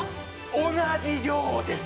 同じ量です。